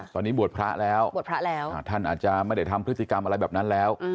ตอนนี้บวชพระแล้วบวชพระแล้วท่านอาจจะไม่ได้ทำพฤติกรรมอะไรแบบนั้นแล้ว